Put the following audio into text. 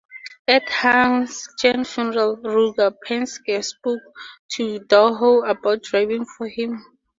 At Hansgen's funeral, Roger Penske spoke to Donohue about driving for him.